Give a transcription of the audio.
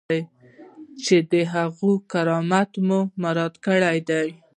چې د هغوی کرامت مو مراعات کړی دی.